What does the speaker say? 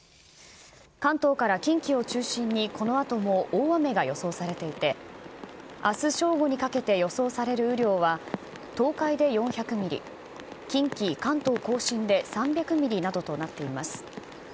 関東から近畿を中心に、このあとも大雨が予想されていて、あす正午にかけて予想される雨量は、東海で４００ミリ、近畿、関東甲信で３００ミリなどとなっています。